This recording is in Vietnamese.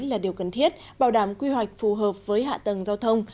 là điều cần thiết bảo đảm quy hoạch phù hợp với hạ tầng giao thông